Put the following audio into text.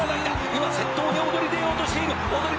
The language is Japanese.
「今先頭に躍り出ようとしている」